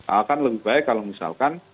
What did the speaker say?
akan lebih baik kalau misalkan